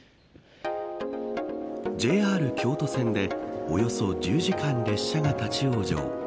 ＪＲ京都線でおよそ１０時間列車が立ち往生。